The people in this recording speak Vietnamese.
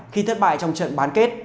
khi thất bại trong trận bán kết